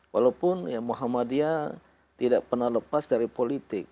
walaupun muhammadiyah tidak pernah lepas dari politik